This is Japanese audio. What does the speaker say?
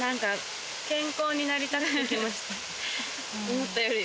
思ったより。